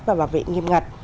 và bảo vệ nghiêm ngặt